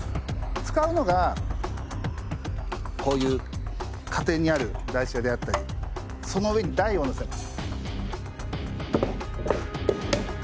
使うのがこういう家庭にある台車であったりその上に台を載せます。